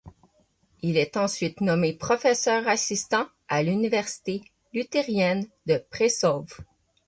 Il est ensuite nommé professeur assistant à l'Université luthérienne de Prešov.